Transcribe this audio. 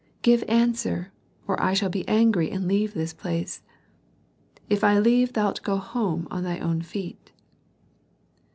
Give answer, or I shall be angry and leave this place. If I leave thou'lt go home on thy own feet."